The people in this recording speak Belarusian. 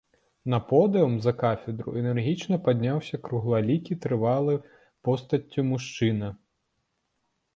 На подыум, за кафедру, энергічна падняўся круглалікі, трывалы постаццю мужчына.